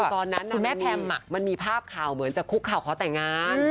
คุณแม่แพมมักมันมีภาพข่าวเหมือนจะคุกข่าวขอแต่งงาน